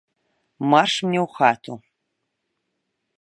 Марш мне ў хату.